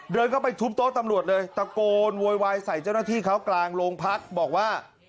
เดินเข้าไปทุบโต๊ะตำรวจเลยตะโกนโวยวายใส่เจ้าหน้าที่เขากลางโรงพักบอกว่า